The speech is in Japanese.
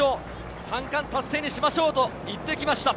３冠達成しましょうと言ってきました。